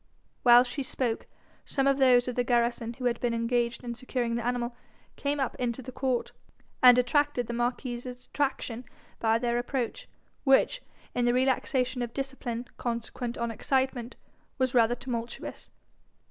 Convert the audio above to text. While she spoke, some of those of the garrison who had been engaged in securing the animal came up into the court, and attracted the marquis's attraction by their approach, which, in the relaxation of discipline consequent on excitement, was rather tumultuous.